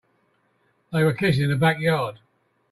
They were kissing in the backyard.